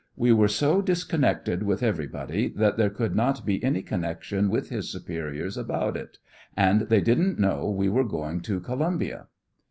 "We were so disconnected with everybody that there could not be any connection with his superiors about it ; and they didn't know we were going to Columbia.